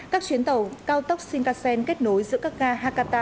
các chuyến tàu cao tốc shinkansen kết nối giữa các ga hakata